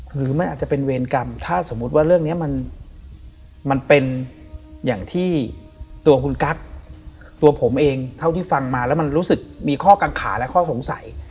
หรือมันอาจจะเป็นเวรกรรมถ้าสมมุติว่าเรื่องนี้มันเป็นอย่างที่ตัวคุณกั๊กตัวผมเองเท่าที่ฟังมาแล้วมันรู้สึกมีข้อกังขาและข้อสงสัย